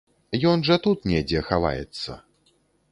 Ён жа тут недзе хаваецца.